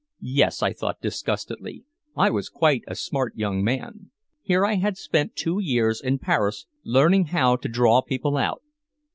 Yes, I thought disgustedly, I was quite a smart young man. Here I had spent two years in Paris learning how to draw people out.